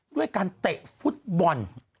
ด้วยการเตะฟุตบอล